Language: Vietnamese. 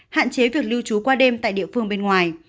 hạn chế việc lưu trú qua đường